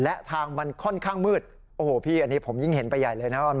และทางมันค่อนข้างมืดโอ้โหพี่อันนี้ผมยิ่งเห็นไปใหญ่เลยนะว่า